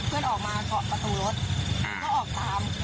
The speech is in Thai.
เพื่อนออกมาเกาะประตูรถก็ออกตาม